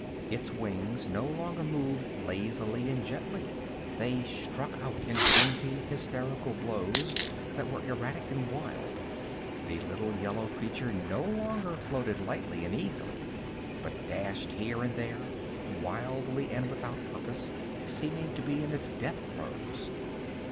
Its wings no longer moved lazily and gently. They struck out in frenzied, hysterical blows that were erratic and wild. The little yellow creature no longer floated lightly and easily, but dashed here and there, wildly and without purpose, seeming to be in its death throes.